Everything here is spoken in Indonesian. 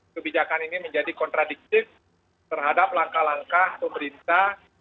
kebijakan ini menjadi kontradiktif terhadap langkah langkah pemerintah